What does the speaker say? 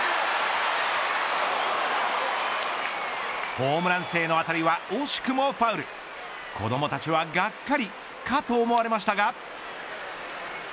ホームラン性の当たりは惜しくもファウル子どもたちはがっかりかと思われましたが。